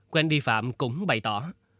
quên đi phạm cũng bày tỏ